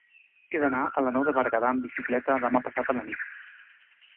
He d'anar a la Nou de Berguedà amb bicicleta demà passat a la nit.